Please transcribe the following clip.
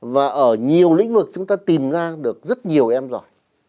và ở nhiều lĩnh vực chúng ta tìm ra được rất nhiều em giỏi